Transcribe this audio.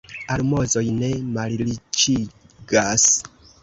Almozoj ne malriĉigas.